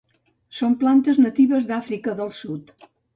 Són plantes natives d'Àfrica del Sud.